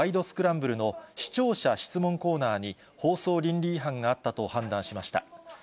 スクランブルの視聴者質問コーナーに、放送倫理違反があったと判断しました。